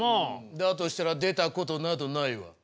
だとしたら出たことなどないわ！